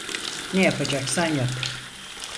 Ne yapacaksan yap.